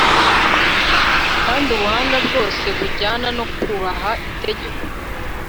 kandi ubuhanga bwose bujyana no kubaha itegeko